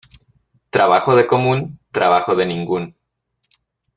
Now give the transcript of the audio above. Trabajo de común, trabajo de ningún.